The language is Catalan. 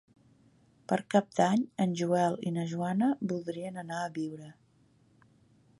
Per Cap d'Any en Joel i na Joana voldrien anar a Biure.